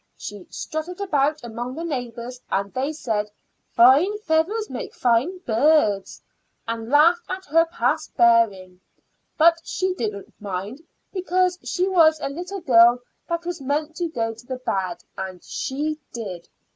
She strutted about among the neighbors, and they said, 'Fine feathers make fine birds,' and laughed at her past bearing. But she didn't mind, because she was a little girl that was meant to go to the bad and she did.